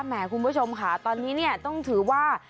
คุณผู้ชมค่ะตอนนี้เนี่ยต้องถือว่า